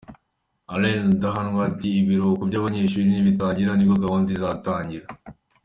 Alain Rudahanwa ati “Ibiruhuko by’abanyeshuri nibitangira nibwo gahunda izatangira.